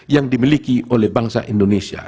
yang dimiliki oleh bangsa indonesia